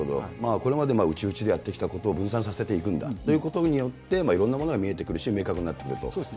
これまで内々でやってきたことを分散させていくんだということによって、いろんなものが見えてくるし、明確になってくると。